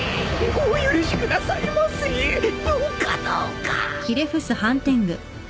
お許しくださいませどうかどうか。